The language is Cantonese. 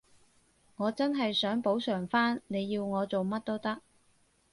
我真係想補償返，你要我做乜都得